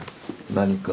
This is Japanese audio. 何か？